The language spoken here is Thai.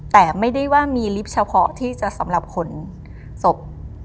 แต่ไม่ได้ว่ามีลิฟต์เฉพาะที่จะสำหรับขนศพ